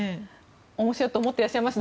面白いと思っていらっしゃいます？